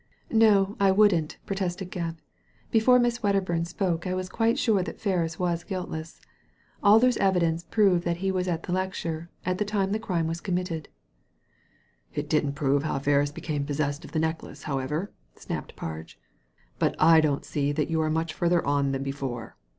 ''No, I wouldn't," protested Gebk "Before Miss Wedderburn spoke I was quite sure that Ferris was guiltless. Alder's evidence proved that he was at the lecture, at the time the crime was committed." " It didn't prove how Ferris became possessed of the necklace, however," snapped Parge. " But I don't see that you are much further on than before.